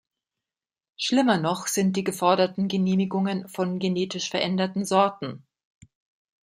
Schlimmer noch sind die geforderten Genehmigungen von genetisch veränderten Sorten.